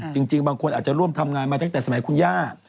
จริงบางคนอาจจะร่วมทำงานมาตั้งแต่สมัยคุณย่า